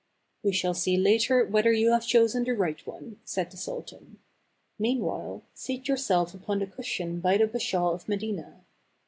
"" We shall see later whether you have chosen the right one," said the sultan; "meanwhile, seat yourself upon the cushion by the Bashaw of Medina."